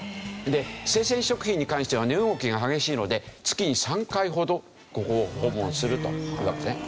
で生鮮食品に関しては値動きが激しいので月に３回ほど訪問するというわけですね。